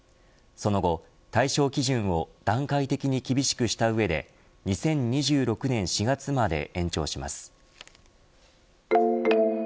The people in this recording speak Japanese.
その後、対象基準を段階的に厳しくした上で２０２６年４月まで延長します。